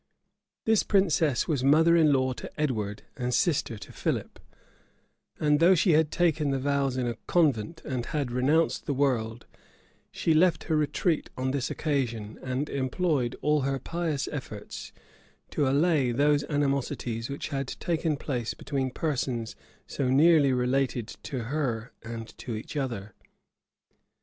This princess was mother in law to Edward, and sister to Philip; and though she had taken the vows in a convent, and had renounced the world, she left her retreat on this occasion, and employed all her pious efforts to allay those animosities which had taken place between persons so nearly related to her and to each other.